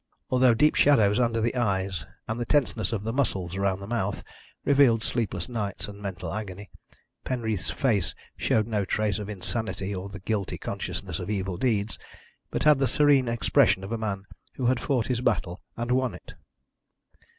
Although deep shadows under the eyes and the tenseness of the muscles round the mouth revealed sleepless nights and mental agony, Penreath's face showed no trace of insanity or the guilty consciousness of evil deeds, but had the serene expression of a man who had fought his battle and won it.